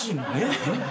えっ？